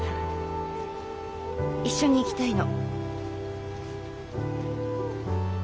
一緒に行きたいの。